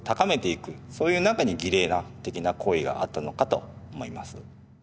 そういう中に儀礼的な行為があったのかと思います。